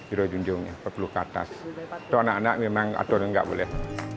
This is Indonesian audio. itu anak anak memang aturnya tidak boleh